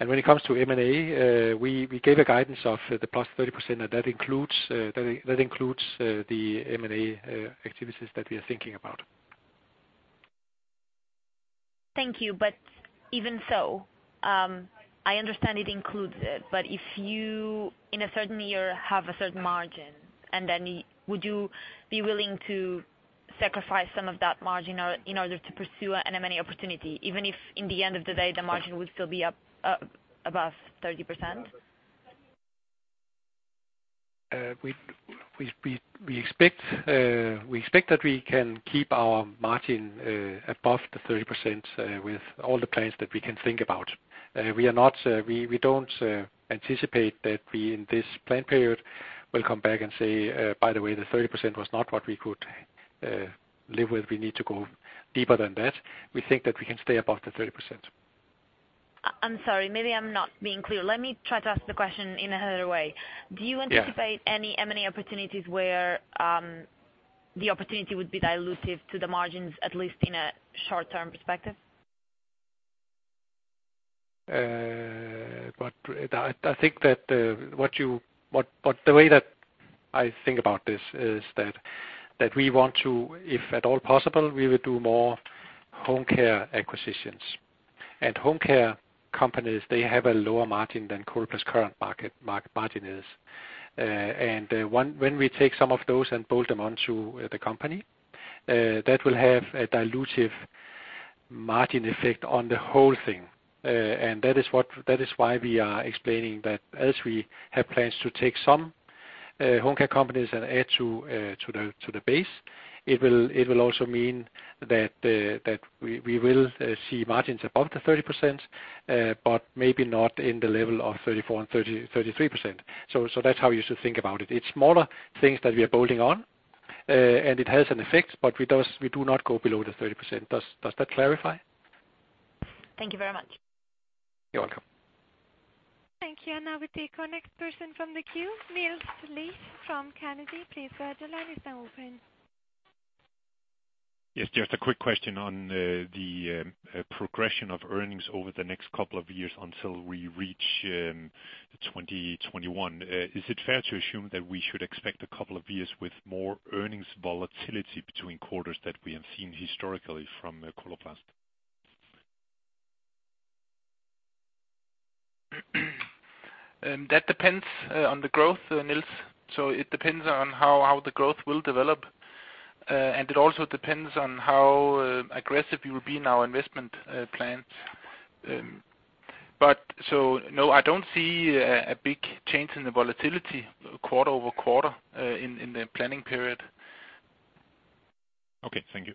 When it comes to M&A, we gave a guidance of the +30%, and that includes the M&A activities that we are thinking about. Thank you. Even so, I understand it includes it, but if you, in a certain year, have a certain margin, and then would you be willing to sacrifice some of that margin or, in order to pursue an M&A opportunity, even if in the end of the day, the margin would still be up above 30%? We expect that we can keep our margin above the 30% with all the plans that we can think about. We are not, we don't anticipate that we, in this plan period, will come back and say, "By the way, the 30% was not what we could live with. We need to go deeper than that." We think that we can stay above the 30%. I'm sorry, maybe I'm not being clear. Let me try to ask the question in another way. Yeah. Do you anticipate any M&A opportunities where, the opportunity would be dilutive to the margins, at least in a short-term perspective? I think that the way that I think about this is that we want to, if at all possible, we will do more home care acquisitions. Home care companies, they have a lower margin than Coloplast current market margin is. When we take some of those and bolt them onto the company, that will have a dilutive margin effect on the whole thing. That is why we are explaining that as we have plans to take some home care companies and add to the base, it will also mean that we will see margins above the 30%, but maybe not in the level of 34% and 33%. That's how you should think about it. It's smaller things that we are bolting on, and it has an effect, but we do not go below the 30%. Does that clarify? Thank you very much. You're welcome. Thank you. Now we take our next person from the queue, Niels Granholm-Leth from Carnegie. Please go ahead, your line is now open. Yes, just a quick question on the progression of earnings over the next couple of years until we reach 2021. Is it fair to assume that we should expect a couple of years with more earnings volatility between quarters that we have seen historically from Coloplast? That depends on the growth, Niels. It depends on how the growth will develop, and it also depends on how aggressive we will be in our investment plan. No, I don't see a big change in the volatility quarter-over-quarter in the planning period. Okay, thank you.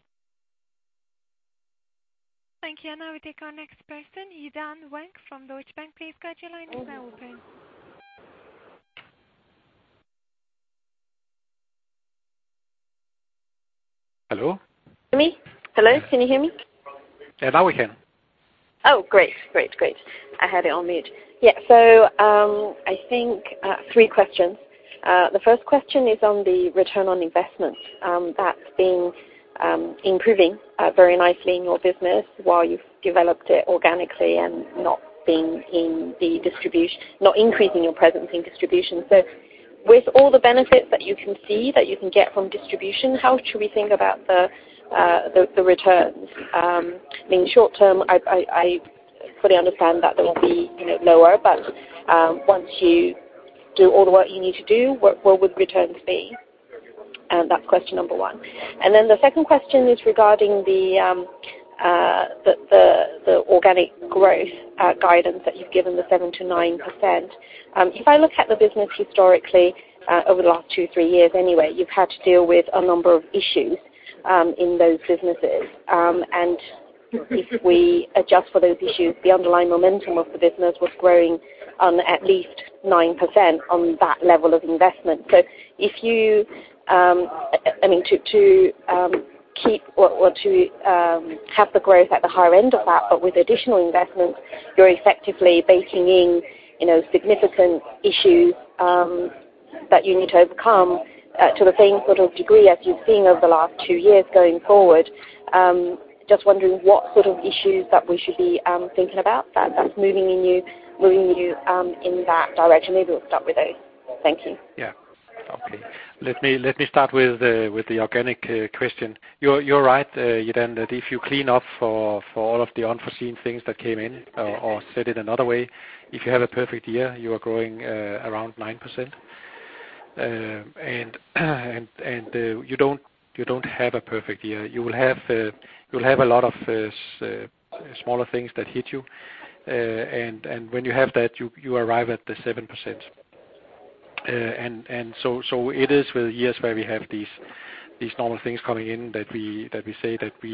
Thank you. Now we take our next person, Yi-Dan Wang from Deutsche Bank. Please go ahead, your line is now open. Hello? Me? Hello, can you hear me? Yeah, now we can. Great, great. I had it on mute. I think three questions. The first question is on the return on investment that's been improving very nicely in your business while you've developed it organically and not increasing your presence in distribution. With all the benefits that you can see, that you can get from distribution, how should we think about the returns? In short term, I fully understand that they will be, you know, lower, but once you do all the work you need to do, what would returns be? That's question number one. The second question is regarding the organic growth guidance that you've given, the 7%-9%. If I look at the business historically, over the last two, three years anyway, you've had to deal with a number of issues in those businesses. If we adjust for those issues, the underlying momentum of the business was growing on at least 9% on that level of investment. If you, I mean, to keep or to have the growth at the higher end of that, but with additional investments, you're effectively baking in, you know, significant issues that you need to overcome to the same sort of degree as you've seen over the last two years going forward. Just wondering what sort of issues that we should be thinking about that's moving you in that direction. Maybe we'll start with those. Thank you. Yeah. Okay. Let me start with the organic question. You're right, Yi-Dan, that if you clean up for all of the unforeseen things that came in, or said it another way, if you have a perfect year, you are growing around 9%. You don't have a perfect year. You'll have a lot of smaller things that hit you. When you have that, you arrive at the 7%. So it is with years where we have these normal things coming in that we say that we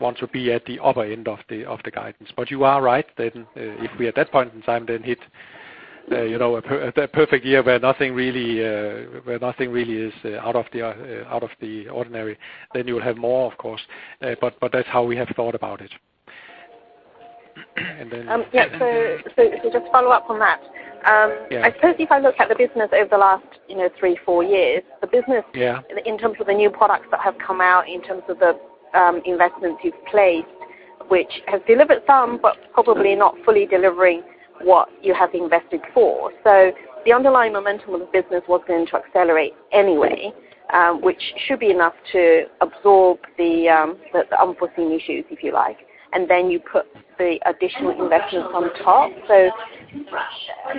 want to be at the upper end of the guidance. You are right, then, if we, at that point in time, then hit, you know, that perfect year where nothing really is out of the ordinary, then you will have more, of course. That's how we have thought about it. Yeah, just follow up on that. Yeah. I suppose if I look at the business over the last, you know, three, four years. Yeah... in terms of the new products that have come out, in terms of the investments you've placed, which has delivered some, but probably not fully delivering what you have invested for. The underlying momentum of the business was going to accelerate anyway, which should be enough to absorb the unforeseen issues, if you like, and then you put the additional investments on top. Can,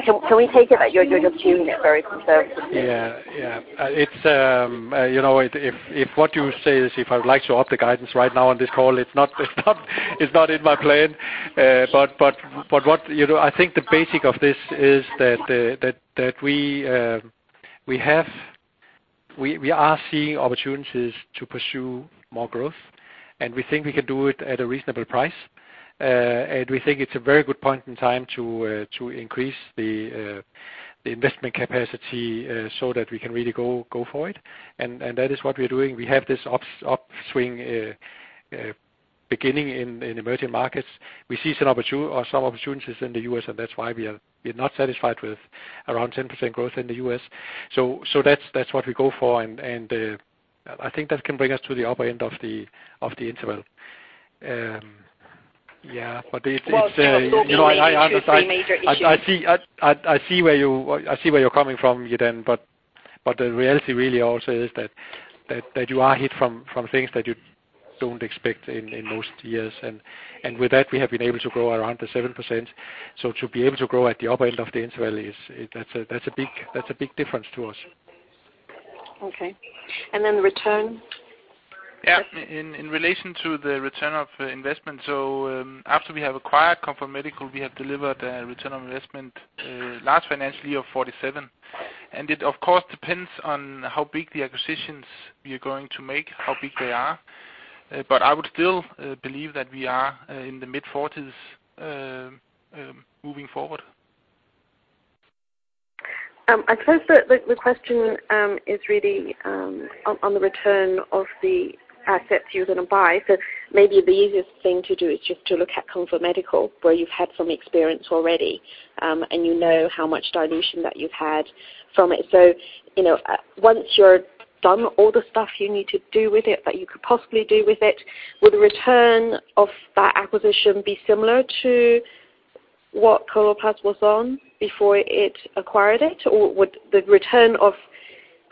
can we take it that you're just being very conservative? Yeah. Yeah. It's, you know, if what you say is, if I would like to up the guidance right now on this call, it's not in my plan. What, you know, I think the basic of this is that we are seeing opportunities to pursue more growth, and we think we can do it at a reasonable price. We think it's a very good point in time to increase the investment capacity so that we can really go for it. That is what we are doing. We have this upswing beginning in emerging markets. We see some opportunities in the US, and that's why we're not satisfied with around 10% growth in the US. That's what we go for. I think that can bring us to the upper end of the interval. Yeah, but it's. Well, two, three major issues. I see where you're coming from, Yidan, but the reality really also is that you are hit from things that you don't expect in most years. With that, we have been able to grow around the 7%. To be able to grow at the upper end of the interval is that's a big difference to us. Okay. The return? Yeah. In relation to the return of investment, after we have acquired Comfort Medical, we have delivered a return of investment last financial year of 47%. It, of course, depends on how big the acquisitions we are going to make, how big they are. I would still believe that we are in the mid-40s moving forward. I suppose the question is really on the return of the assets you're going to buy. Maybe the easiest thing to do is just to look at Comfort Medical, where you've had some experience already, and you know how much dilution that you've had from it. You know, once you're done all the stuff you need to do with it, that you could possibly do with it, will the return of that acquisition be similar to what Coloplast was on before it acquired it? Or would the return of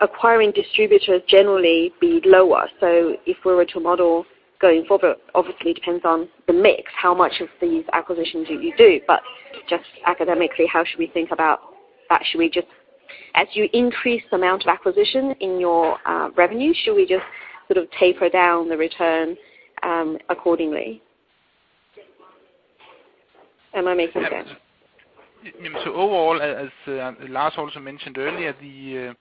acquiring distributors generally be lower? If we were to model going forward, obviously it depends on the mix, how much of these acquisitions do you do? Just academically, how should we think about that? Should we just, as you increase the amount of acquisition in your revenue, should we just sort of taper down the return accordingly? Am I making sense? Overall, as Lars also mentioned earlier, the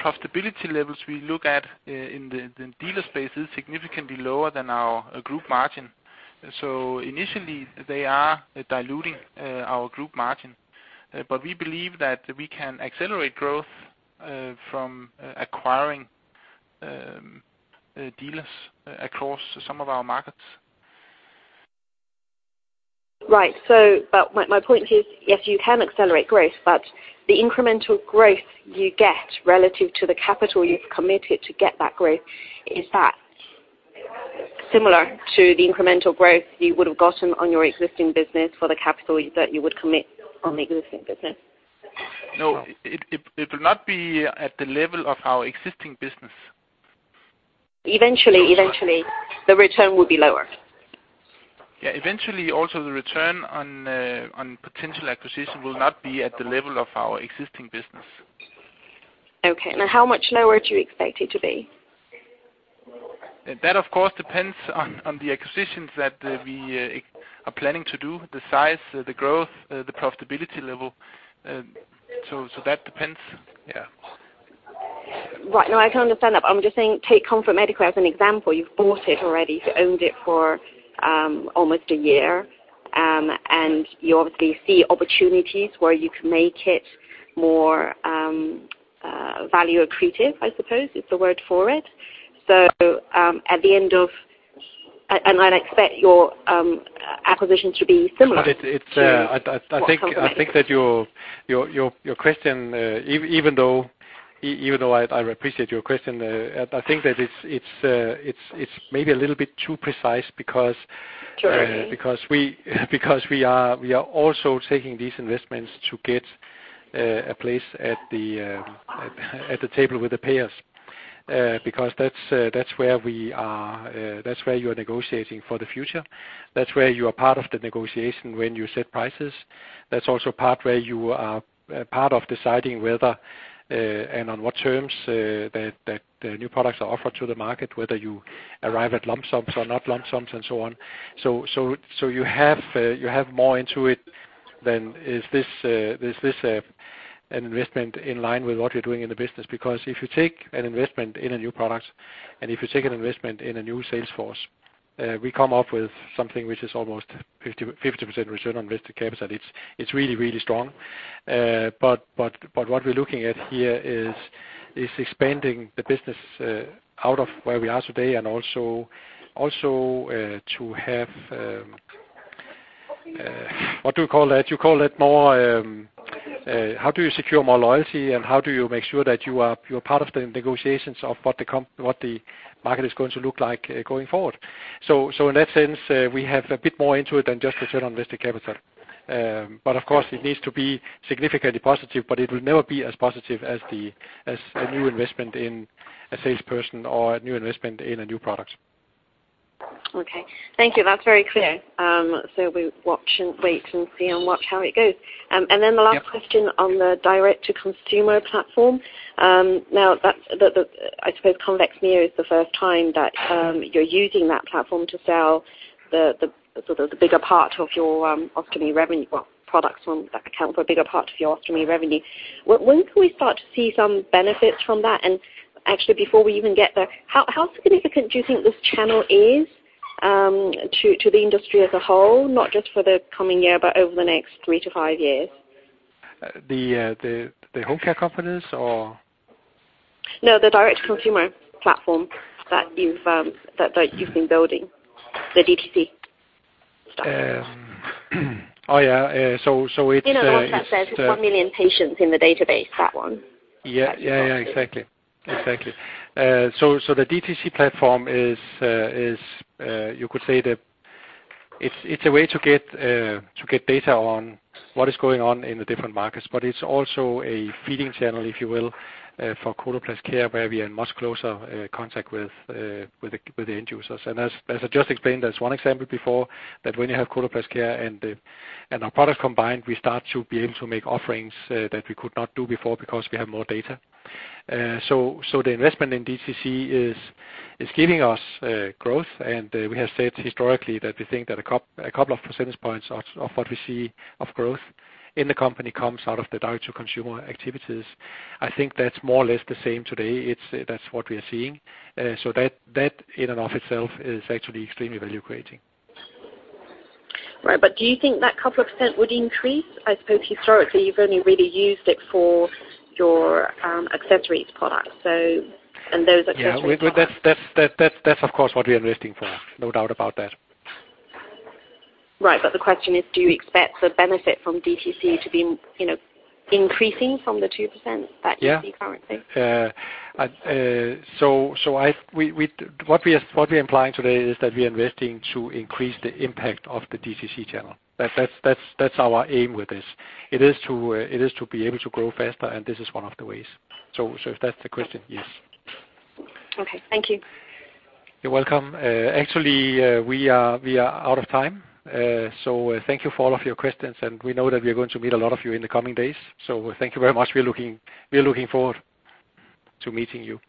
profitability levels we look at in the dealer space is significantly lower than our group margin. Initially, they are diluting our group margin. We believe that we can accelerate growth from acquiring dealers across some of our markets. Right. My point is, yes, you can accelerate growth, but the incremental growth you get relative to the capital you've committed to get that growth, is that similar to the incremental growth you would have gotten on your existing business for the capital that you would commit on the existing business? No, it will not be at the level of our existing business. Eventually, the return will be lower. Yeah, eventually, also, the return on potential acquisition will not be at the level of our existing business. Okay. Now, how much lower do you expect it to be? That, of course, depends on the acquisitions that we are planning to do, the size, the growth, the profitability level. That depends, yeah. Right. No, I can understand that. I'm just saying, take Comfort Medical as an example. You've bought it already, you've owned it for, almost a year. You obviously see opportunities where you can make it more, value accretive, I suppose, is the word for it. At the end of, and I'd expect your acquisition to be similar to- It's, I think that your question, even though I appreciate your question, I think that it's maybe a little bit too precise because. Sure. Because we are also taking these investments to get a place at the table with the payers. That's where we are, that's where you are negotiating for the future. That's where you are part of the negotiation when you set prices. That's also part where you are part of deciding whether and on what terms that new products are offered to the market, whether you arrive at lump sums or not lump sums, and so on. You have more into it than is this an investment in line with what you're doing in the business. If you take an investment in a new product, and if you take an investment in a new sales force, we come up with something which is almost 50% return on invested capital. It's really, really strong. But what we're looking at here is expanding the business out of where we are today and also to have, what do you call that? You call it more, how do you secure more loyalty, and how do you make sure that you are, you're part of the negotiations of what the market is going to look like going forward? In that sense, we have a bit more into it than just return on invested capital. Of course, it needs to be significantly positive, but it will never be as positive as a new investment in a salesperson or a new investment in a new product. Okay. Thank you. That's very clear. We watch and wait and see and watch how it goes. Yeah question on the direct-to-consumer platform. Now, I suppose Convex Mirror is the first time that you're using that platform to sell the sort of the bigger part of your ostomy revenue, well, products on that account for a bigger part of your ostomy revenue. When can we start to see some benefits from that? Actually, before we even get there, how significant do you think this channel is to the industry as a whole, not just for the coming year, but over the next three to five years? The home care companies, or? No, the direct-to-consumer platform that you've been building, the DTC. Oh, yeah. It's. You know, that says 1 million patients in the database, that one. Yeah. Yeah, exactly. Exactly. The DTC platform is you could say that it's a way to get to get data on what is going on in the different markets, but it's also a feeding channel, if you will, for Coloplast Care, where we are in much closer contact with the end users. As I just explained, there's one example before, that when you have Coloplast Care and our products combined, we start to be able to make offerings that we could not do before because we have more data. The investment in DTC is giving us growth, and we have said historically that we think that a couple of percentage points of what we see of growth in the company comes out of the direct-to-consumer activities. I think that's more or less the same today. That's what we are seeing. That in and of itself is actually extremely value creating. Right. Do you think that couple of % would increase? I suppose historically, you've only really used it for your accessories products. Those accessories Yeah, well, that's of course, what we are investing for. No doubt about that. Right. The question is, do you expect the benefit from DTC to be, you know, increasing from the 2% that you see currently? Yeah. What we are implying today is that we are investing to increase the impact of the DTC channel. That's our aim with this. It is to be able to grow faster, and this is one of the ways. If that's the question, yes. Okay. Thank you. You're welcome. Actually, we are out of time. Thank you for all of your questions, and we know that we are going to meet a lot of you in the coming days. Thank you very much. We are looking forward to meeting you.